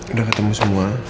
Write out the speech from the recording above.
udah ketemu semua